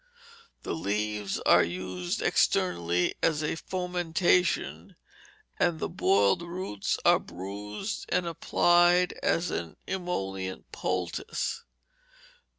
The leaves are used externally as a fomentation, and the boiled roots are bruised and applied as an emollient poultice.